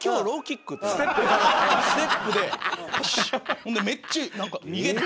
ほんでめっちゃなんか逃げて。